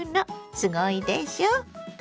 すごいでしょ。